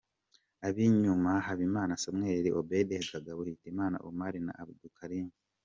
Ab’inyuma:Habimana Samuel, Obed Kagaba, Hitimana Omar na Abdoulkharim.